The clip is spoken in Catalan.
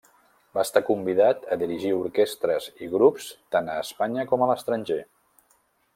Va estar convidat a dirigir orquestres i grups tant a Espanya com a l'estranger.